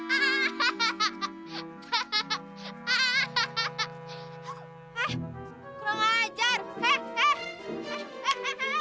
ini lu tau gak sih lu susah menjubur